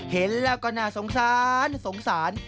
เห็นละก็สงสารสงสาร